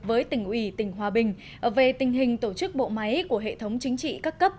với tỉnh ủy tỉnh hòa bình về tình hình tổ chức bộ máy của hệ thống chính trị các cấp